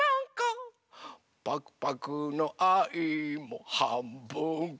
「パクパクのあいもはんぶんこ」